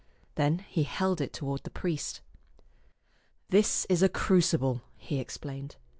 Then he held it toward the priest. "This is a crucible," he ex plained.